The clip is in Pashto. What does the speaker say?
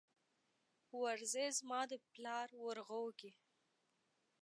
ورځې زما دپلار ورغوو کې